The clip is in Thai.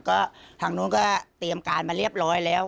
ก็ทางนู้นก็เตรียมการมาเรียบร้อยแล้ว